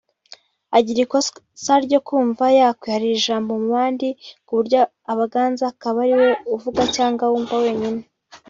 Agira ikosa ryo kumva yakwiharira ijambo mu bandi ku buryo abaganza akaba ariwe uvuga cyangwa wumva wenyine